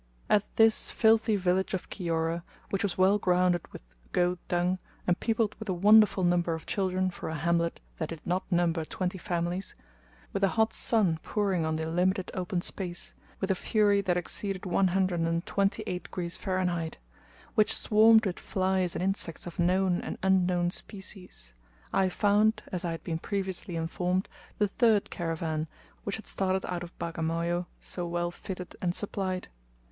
At this filthy village of Kiora, which was well grounded with goat dung, and peopled with a wonderful number of children for a hamlet that did not number twenty families, with a hot sun pouring on the limited open space, with a fury that exceeded 128 degrees Fahrenheit; which swarmed with flies and insects of known and unknown species; I found, as I had been previously informed, the third caravan, which had started out of Bagamoyo so well fitted and supplied.